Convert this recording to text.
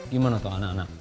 gimana tau anak anak